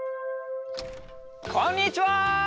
こんにちは！